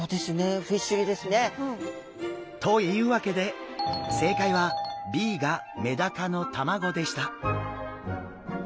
フィッシュギですね。というわけで正解はＢがメダカの卵でした。